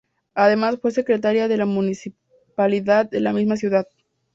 Además fue secretaria de la Municipalidad de la misma ciudad.